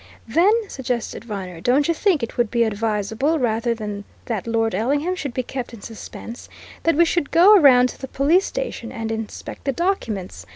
"Then," suggested Viner, "don't you think it would be advisable, rather than that Lord Ellingham should be kept in suspense, that we should go round to the police station and inspect the documents?